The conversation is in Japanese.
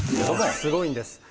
すごいんです。